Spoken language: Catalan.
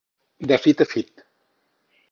De fit a fit.